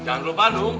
jangan lupa dung